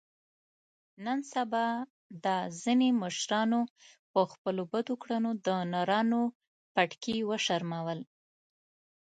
نن سبا دا ځنې مشرانو په خپلو بدو کړنو د نرانو پټکي و شرمول.